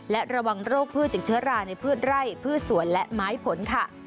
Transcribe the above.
และระวังโรคพืชจากเชื้อราในพืชไร่พืชสวนและไม้ผลค่ะ